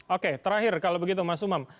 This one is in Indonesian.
oke terakhir kalau begitu mas umam